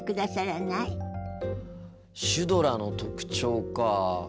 シュドラの特徴か。